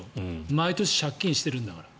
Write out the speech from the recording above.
毎年借金してるんだから。